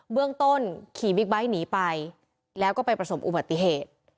เบื้องต้นขี่วิกไบ้หนีไปแล้วก็ไปประสบอุบัติเหตุ